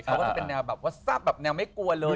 เขาก็เป็นแนวแบบแนวไม่กลัวเลย